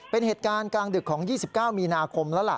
เป็นเหตุการณ์กลางดึกของ๒๙มีนาคมแล้วล่ะ